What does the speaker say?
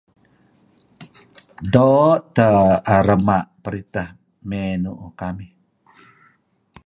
Doo' teh rema' periteh mey nu'uh kamih